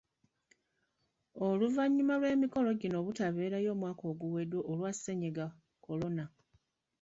Oluvannyuma lw’emikolo gino obutabeerayo omwaka oguwedde olwa Ssennyiga Kolona.